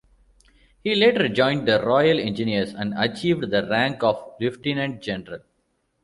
He later joined the Royal Engineers and achieved the rank of lieutenant general.